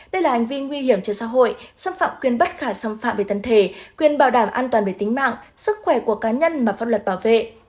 đây là hành vi nguy hiểm cho xã hội xâm phạm quyền bất khả xâm phạm về tần thể quyền bảo đảm an toàn về tính mạng sức khỏe của cá nhân mà pháp luật bảo vệ